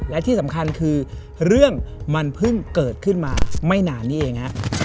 และที่สำคัญคือเรื่องมันเพิ่งเกิดขึ้นมาไม่นานนี้เองฮะ